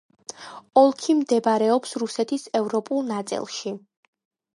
ოლქი მდებარეობს რუსეთის ევროპულ ნაწილში.